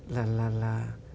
là là là